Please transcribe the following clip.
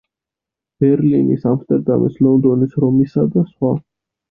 ბერლინის, ამსტერდამის, ლონდონის, რომისა და სხვა.